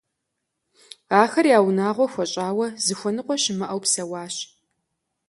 Ахэр я унагъуэр хуэщӀауэ, зыхуэныкъуэ щымыӀэу псэуащ.